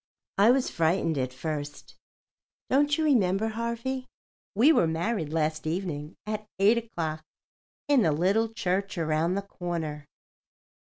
I was frightened at first. Don't you remember, Harvey? We were married last evening at 8 o'clock in the Little Church Around the Corner."